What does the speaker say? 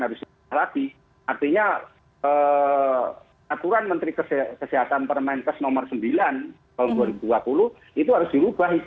artinya aturan menteri kesehatan permanentes nomor sembilan tahun dua ribu dua puluh itu harus dirubah